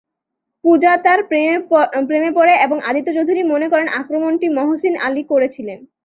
পূজা তাঁর প্রেমে পড়ে এবং আদিত্য চৌধুরী মনে করেন যে আক্রমণটি মহসিন আলি করেছিলেন।